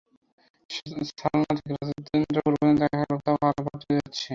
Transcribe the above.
সালানা থেকে রাজেন্দ্রপুর পর্যন্ত দেখা গেল কোথাও কালভার্ট তৈরি হচ্ছে, কোথাও পিচঢালাই চলছে।